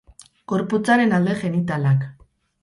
Gorputzaren alde genitalak.